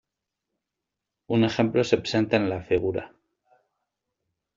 Un ejemplo se presenta en la Fig.